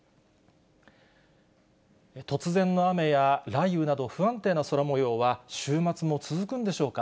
突然の雨や雷雨など、不安定な空もようは、週末も続くんでしょうか。